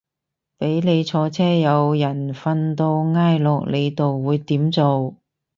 俾着你坐車有人瞓到挨落你度會點做